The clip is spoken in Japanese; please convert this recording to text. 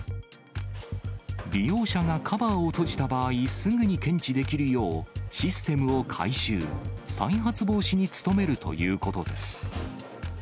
利用者がカバーを閉じた場合、すぐに検知できるようシステムを改修、再発防止に努めるということです。